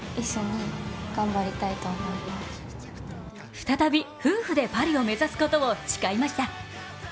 再び夫婦でパリを目指すことを誓いました。